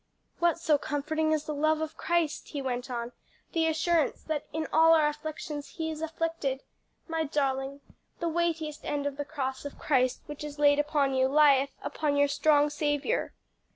"What so comforting as the love of Christ!" he went on; "the assurance that 'in all our afflictions He is afflicted!' My darling, 'the weightiest end of the cross of Christ, which is laid upon you, lieth upon your strong Saviour!'"